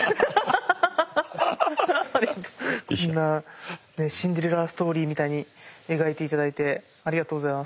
こんなシンデレラストーリーみたいに描いて頂いてありがとうございます。